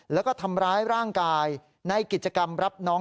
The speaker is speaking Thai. แล้วก็ทำร้ายร่างกายในกิจกรรมรับน้อง